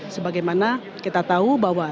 sebagaimana kita tahu bahwa